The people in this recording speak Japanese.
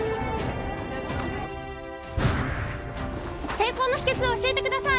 成功の秘けつを教えてください